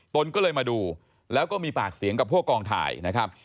ตนก็เลยมาดูแล้วก็มีปากเสียงกับพวกกองถ่ายนะครับ